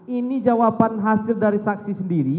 ini jawaban hasil dari saksi sendiri